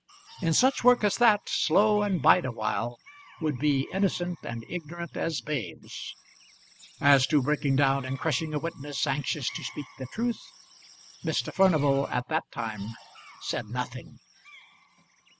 In such work as that Slow and Bideawhile would be innocent and ignorant as babes. As to breaking down and crushing a witness anxious to speak the truth, Mr. Furnival at that time said nothing.